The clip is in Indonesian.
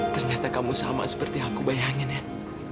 ternyata kamu sama seperti yang aku bayangkan